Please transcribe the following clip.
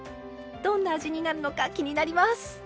どんな味になるのか気になります！